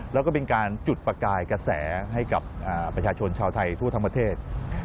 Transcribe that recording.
แล้วก็เป็นการจุดประกายกระแสให้กับประชาชนชาวไทยทั่วทั้งประเทศ